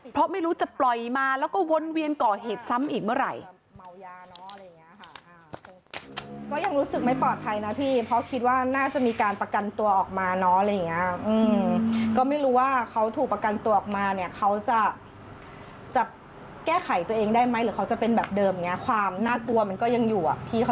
เพราะไม่รู้จะปล่อยมาแล้วก็วนเวียนก่อเหตุซ้ำอีกเมื่อไหร่